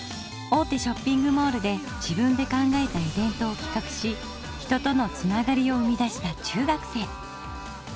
大手ショッピングモールで自分で考えたイベントをきかくし人との繋がりを生み出した中学生。